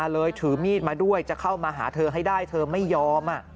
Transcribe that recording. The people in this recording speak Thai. เลยถือมีดมาด้วยจะเข้ามาหาเธอให้ได้เธอไม่ยอม